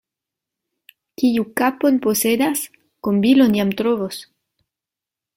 Kiu kapon posedas, kombilon jam trovos.